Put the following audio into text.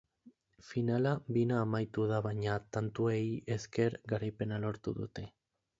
Finala bina amaitu da baina tantuei esker garaipena lortu dute.